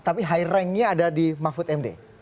tapi high ranknya ada di mahfud md